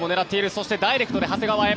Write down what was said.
そしてダイレクトで長谷川へ。